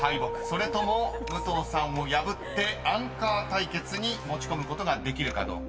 それとも武藤さんを破ってアンカー対決に持ち込むことができるかどうか］